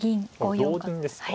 同銀ですか。